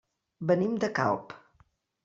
Venim de Calp.